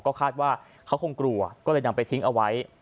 ก็คาดว่าเขาคงกลัวก็เลยนำไปทิ้งเอาไว้